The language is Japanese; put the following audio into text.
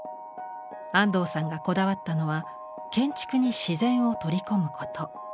安藤さんがこだわったのは建築に自然を取り込むこと。